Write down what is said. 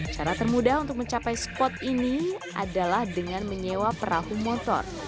cara termudah untuk mencapai spot ini adalah dengan menyewa perahu motor